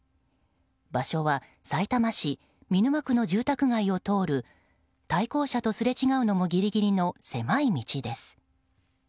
場所はさいたま市見沼区の住宅街を通る対向車とすれ違うのもギリギリの狭い道です。